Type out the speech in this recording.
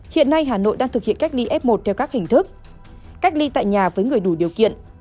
hiện nay hà nội đang thực hiện cách ly f một theo các hình thức cách ly tại nhà với người đủ điều kiện